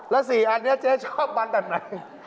แล้ว๔อันนี้เจ๊ชอบมันแบบไหน